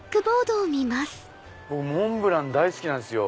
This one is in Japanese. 僕モンブラン大好きなんですよ